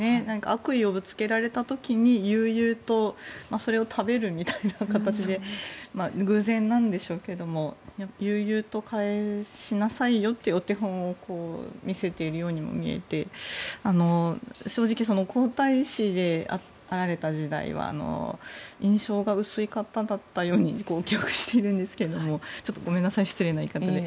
悪意をぶつけられた時に悠々とそれを食べるみたいな形で偶然なんでしょうけども悠々と返しなさいよというお手本を見せているようにも見えて正直、皇太子であられた時代は印象が薄い方だったように記憶しているんですがちょっとごめんなさい失礼な言い方で。